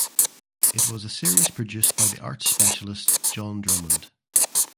It was series produced by the arts specialist John Drummond.